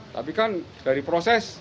tapi kan dari proses